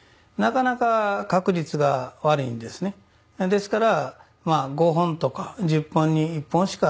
ですから。